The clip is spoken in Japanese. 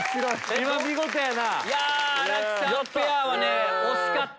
今見事やな。